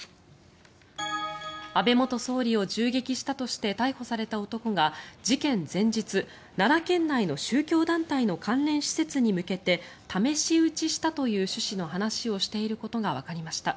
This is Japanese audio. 安倍元総理を銃撃したとして逮捕された男が事件前日、奈良県内の宗教団体の関連施設に向けて試し撃ちしたという趣旨の話をしていることがわかりました。